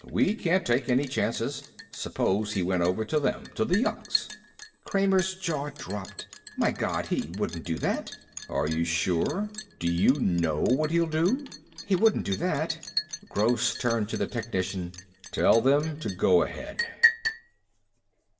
We can't take any chances. Suppose he went over to them, to the yuks." Kramer's jaw dropped. "My God, he wouldn't do that." "Are you sure? Do you know what he'll do?" "He wouldn't do that." Gross turned to the technician. "Tell them to go ahead."